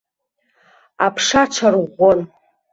Аԥша аҽарӷәӷәон.